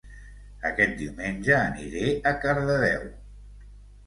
Aquest diumenge aniré a Cardedeu